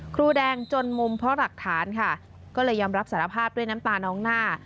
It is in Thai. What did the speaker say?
ครูแดงจนมุมเพราะหลักฐานค่ะก็เลยยอมรับสารภาพด้วยน้ำตาน้องหน้า